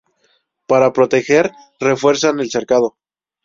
Para protegerlas refuerzan el cercado.